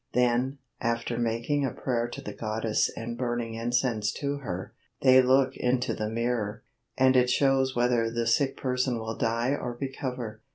Then, after making a prayer to the goddess and burning incense to her, they look into the mirror, and it shows whether the sick person will die or recover.